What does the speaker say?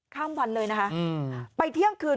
กลุ่มหนึ่งก็คือ